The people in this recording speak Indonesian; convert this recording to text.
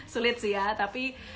sulit sih ya tapi